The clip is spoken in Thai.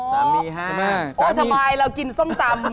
อ๋อสามีฮะโอ้ชะมายเรากินส้มตำ